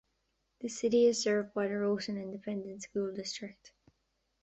The city is served by the Rotan Independent School District.